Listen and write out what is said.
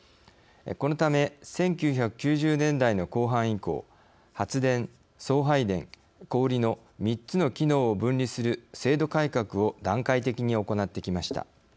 このため１９９０年代の後半以降発電、送配電、小売りの３つの機能を分離する制度改革を段階的に行ってきました。